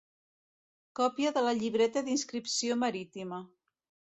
Còpia de la llibreta d'inscripció marítima.